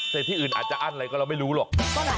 แต่ที่อื่นอาจจะอั้นอะไรก็เราไม่รู้หรอก